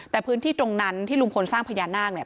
แต่พื้นที่ตรงนั้นที่ลุงพลสร้างพญานาคเนี่ย